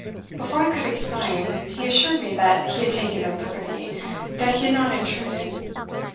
Before I could exclaim, he assured me that he had taken no liberty, that he had not intruded.